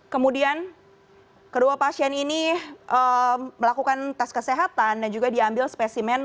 kemudian kedua pasien ini melakukan tes kesehatan dan juga diambil spesimen